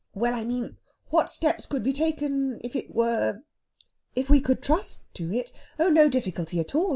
"Well, I mean what steps could be taken if it were...?" "If we could trust to it? Oh, no difficulty at all!